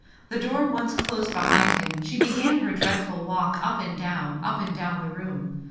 The door once closed be hind him, she began her dreadful walk up and down, up and down the room.